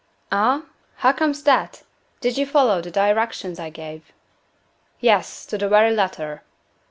"Ah? How comes that? Did you follow the directions I gave?" "Yes, to the very letter."